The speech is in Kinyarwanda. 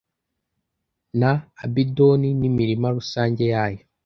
na abidoni n'imirima rusange yayo